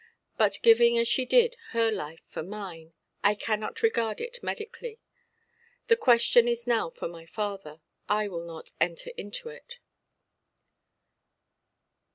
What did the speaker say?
But giving, as she did, her life for mine, I cannot regard it medically. The question is now for my father. I will not enter into it".